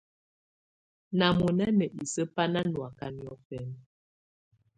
Nà mɔ̀nà ná isǝ́ bá ná nɔ̀áka niɔ̀fɛna.